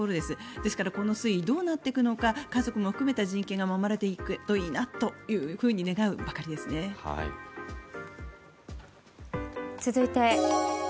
ですから、この推移どうなっていくのか家族も含めた人権が守られるといいなと願うばかりですね。